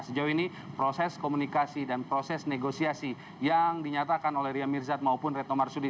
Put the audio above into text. sejauh ini proses komunikasi dan proses negosiasi yang dinyatakan oleh ria mirzad maupun retno marsudi